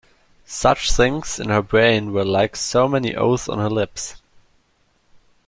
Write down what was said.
Such things in her brain were like so many oaths on her lips.